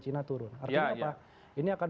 cina turun artinya apa ini akan